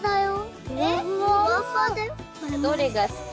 どれが好き？